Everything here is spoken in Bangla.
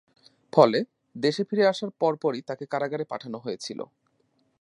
ফলে, দেশে ফিরে আসার পরপরই তাকে কারাগারে পাঠানো হয়েছিল।